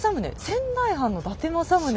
仙台藩の伊達政宗がえっ